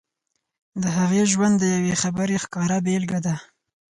د هغې ژوند د يوې خبرې ښکاره بېلګه ده.